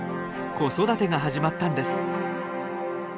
子育てが始まったんです。